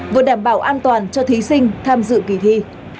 vừa đảm bảo an toàn cho thí sinh tham dự kỳ thi